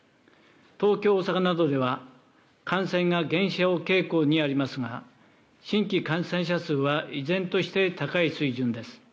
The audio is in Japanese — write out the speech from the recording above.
東京、大阪などでは感染が減少傾向にありますが、新規感染者数は依然として高い水準です。